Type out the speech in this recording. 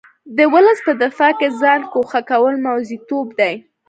د ولس په دفاع کې ځان ګوښه کول موزیتوب دی.